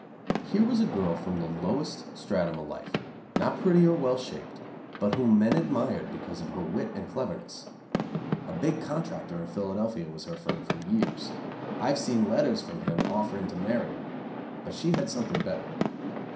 Here was a girl from the lowest stratum of life, not pretty or well shaped, but whom men admired because of her wit and cleverness. A big contractor in Philadelphia was her friend for years. I have seen letters from him offering to marry her. But she had something better.